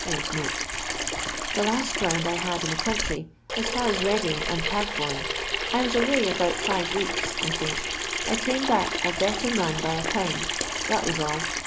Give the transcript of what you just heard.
]" The last round I had in the country, as fiur as Heading and Pang bourne, I was away about five weeks, I think, and came back a better man by a pound ; that was all.